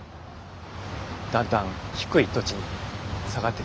だんだん低い土地に下がってきました。